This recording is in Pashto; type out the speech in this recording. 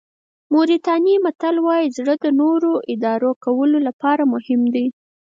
موریتاني متل وایي زړه د نورو اداره کولو لپاره مهم دی.